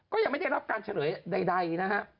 ก็ยังไม่ได้รับการเฉลยใดนะฮะ